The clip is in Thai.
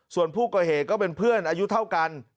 ส่วนผู้ก่อเหตุก็เป็นเพื่อนอายุเท่ากัน